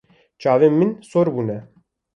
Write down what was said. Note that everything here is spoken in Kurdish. Çavên min sor bûne.